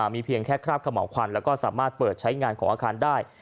มีเพียงแค่คราบขม่าควันแล้วก็สามารถเปิดใช้งานของอาคารได้